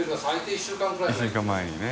一週間前にね。